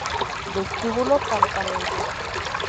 Vestíbulo Campamento